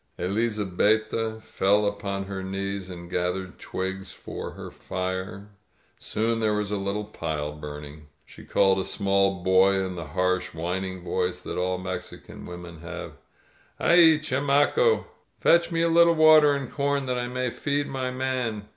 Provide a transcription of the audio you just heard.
Elizabetta fell upon her knees and gathered twigs for her fire. Soon there was a little pile burning. She called a small boy in the harsh, whining voice that all Mexican women have, "Aiel chamaco! Fetch me a lit tle water and com that I may feed my man!"